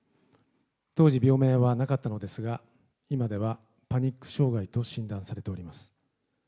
当時病名はなかったのですが、今ではパニック障害と診断されております。